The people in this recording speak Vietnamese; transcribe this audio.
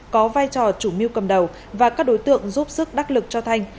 có vai trò chủ mưu cầm đầu và các đối tượng giúp sức đắc lực cho thanh